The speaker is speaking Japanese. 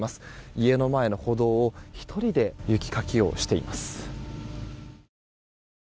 家の前の歩道を１人で雪かきをしています。